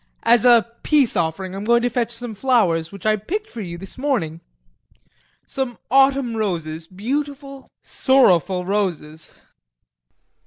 VOITSKI. As a peace offering I am going to fetch some flowers which I picked for you this morning: some autumn roses, beautiful, sorrowful roses.